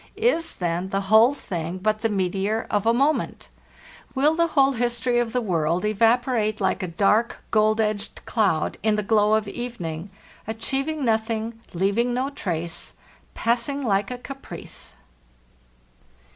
Is, then, the whole thing but the meteor of amoment? Will the whole history of the world evap orate like a dark, gold edged cloud in the glow of even ing—achieving nothing, leaving no trace, passing like a Caprice?